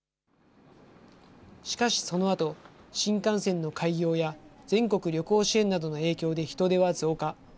しかし、そのあと、新幹線の開業や全国旅行支援などの影響で人出は増加。